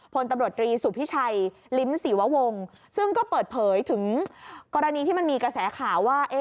พลตำรวจตรีสุพิชัยลิ้มศรีววงซึ่งก็เปิดเผยถึงกรณีที่มันมีกระแสข่าวว่า